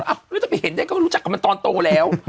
หรือถ้าไปเห็นได้ก็รู้จักกับมันตอนโตแล้ว